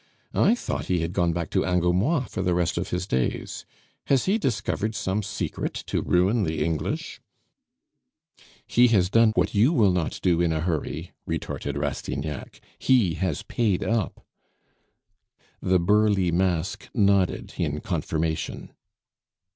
"I thought he had gone back to Angoumois for the rest of his days. Has he discovered some secret to ruin the English?" "He has done what you will not do in a hurry," retorted Rastignac; "he has paid up." The burly mask nodded in confirmation.